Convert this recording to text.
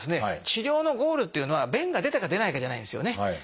治療のゴールっていうのは便が出たか出ないかじゃないんですよね。